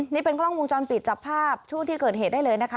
นี่เป็นกล้องวงจรปิดจับภาพช่วงที่เกิดเหตุได้เลยนะคะ